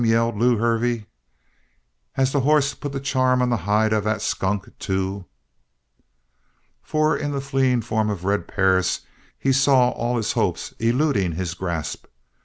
yelled Lew Hervey. "Has the hoss put the charm on the hide of that skunk, too?" For in the fleeing form of Red Perris he saw all his hopes eluding his grasp.